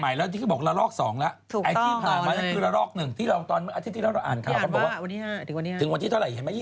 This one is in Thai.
ยังไปถึงวันที่๕ใช่ไหม